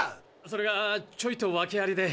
それがちょいと訳ありで。